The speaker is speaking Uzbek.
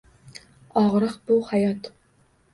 Og‘riq bu — hayot